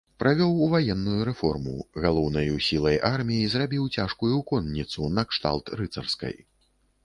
Правёў ваенную рэформу, галоўнаю сілай арміі зрабіў цяжкую конніцу накшталт рыцарскай.